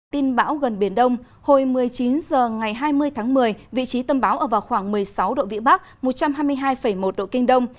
tin bão gần biển đông hồi một mươi chín h ngày hai mươi tháng một mươi vị trí tâm bão ở vào khoảng một mươi sáu độ vĩ bắc một trăm hai mươi hai một độ kinh đông